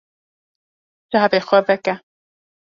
Çavê xwe veke.